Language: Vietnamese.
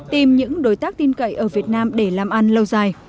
tìm những đối tác tin cậy ở việt nam để làm ăn lâu dài